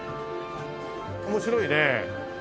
面白いね。